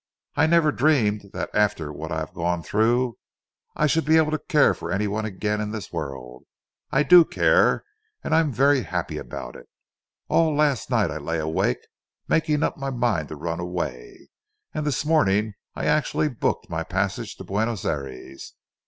I never dreamed that after what I have gone through I should be able to care for any one again in this world. I do care, and I am very happy about it. All last night I lay awake, making up my mind to run away, and this morning I actually booked my passage to Buenos Ayres.